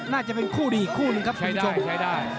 น่าจะเป็นคู่ดีคู่หนึ่งครับชมดรูปอยู่ใช้ได้